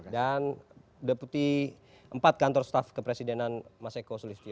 dan deputi empat kantor staf kepresidenan mas eko sulistyo